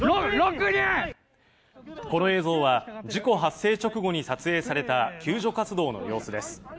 この映像は、事故発生直後に撮影された救助活動の様子です。